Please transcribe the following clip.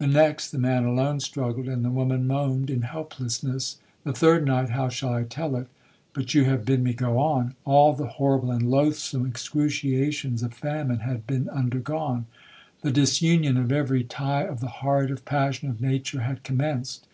The next the man alone struggled, and the woman moaned in helplessness. The third night,—how shall I tell it?—but you have bid me go on. All the horrible and loathsome excruciations of famine had been undergone; the disunion of every tie of the heart, of passion, of nature, had commenced.